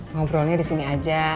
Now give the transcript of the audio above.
ngobrolnya disini aja